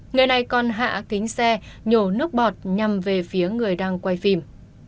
người này còn hạ kính xe nhổ nước bọt nhằm về phía người đang quay phim